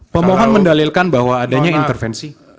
pemohon mendalilkan bahwa adanya intervensi